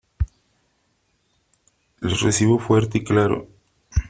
Les recibo fuerte y claro .